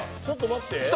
「ちょっと待って」